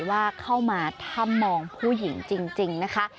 ว่าเข้ามาถ้ำมองผู้หญิงจริงนะคะ